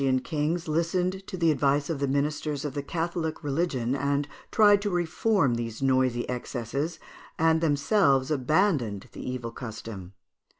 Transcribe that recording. ] Some of the Merovingian kings listened to the advice of the ministers of the Catholic religion, and tried to reform these noisy excesses, and themselves abandoned the evil custom.